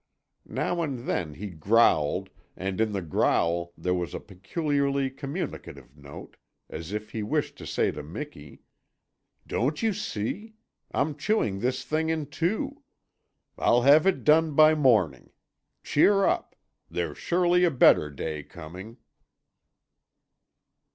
Now and then he growled, and in the growl there was a peculiarly communicative note, as if he wished to say to Miki: "Don't you see? I'm chewing this thing in two. I'll have it done by morning. Cheer up! There's surely a better day coming."